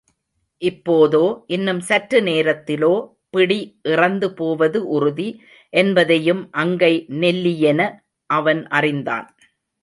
இப்போதோ, இன்னும் சற்று நேரத்திலோ பிடி இறந்து போவது உறுதி என்பதையும் அங்கை நெல்லியென அவன் அறிந்தான்.